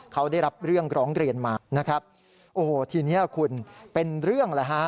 เขาได้รับเรื่องร้องเรียนมานะครับโอ้โหทีนี้คุณเป็นเรื่องแล้วฮะ